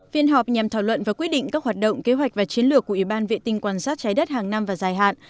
phiên họp nhằm thảo luận và quyết định các hoạt động kế hoạch và chiến lược của ủy ban vệ tinh quan sát trái đất hàng năm và dài hạn